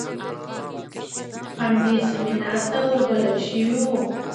هم دې سمينار ته ور بلل شوى و.